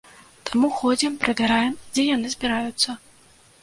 Таму ходзім, правяраем, дзе яны збіраюцца.